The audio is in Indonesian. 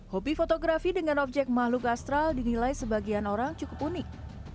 hobi fotografi dengan objek makhluk astral dinilai sebagian orang cukup unik